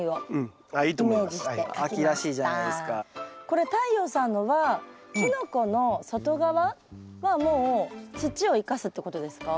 これ太陽さんのはキノコの外側はもう土を生かすってことですか？